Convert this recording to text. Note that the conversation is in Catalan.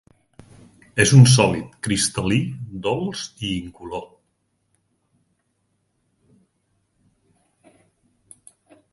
És un sòlid cristal·lí dolç i incolor.